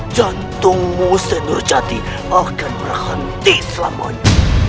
jantungmu senur jati akan berhenti selamanya